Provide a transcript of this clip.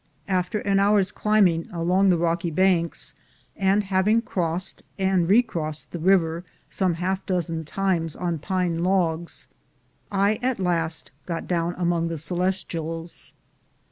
After an hour's climbing along the rocky banks, and having crossed and recrossed the river some half dozen times on pine logs, I at last got down among the Celestials.